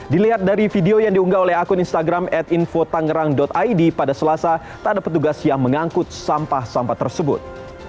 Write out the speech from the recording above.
dilihat dari video yang diunggah oleh akun instagram at infotanggerang id pada selasa tak ada petugas yang mengangkut sampah sampah tersebut